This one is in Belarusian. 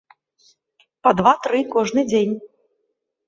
Па два-тры кожны дзень!